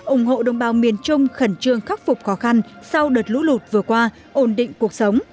ủng hộ đồng bào miền trung khẩn trương khắc phục khó khăn sau đợt lũ lụt vừa qua ổn định cuộc sống